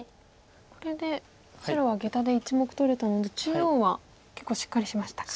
これで白はゲタで１目取れたので中央は結構しっかりしましたか。